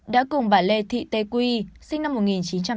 đã cùng bà lê thị tê quy sinh năm một nghìn chín trăm tám mươi